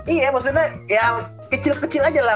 iya maksudnya ya kecil kecil aja lah